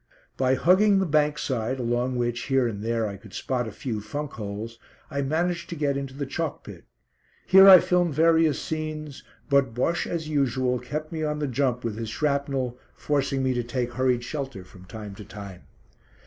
By hugging the bank side, along which here and there I could spot a few funk holes, I managed to get into the chalk pit. Here I filmed various scenes, but Bosche, as usual, kept me on the jump with his shrapnel, forcing me to take hurried shelter from time to time.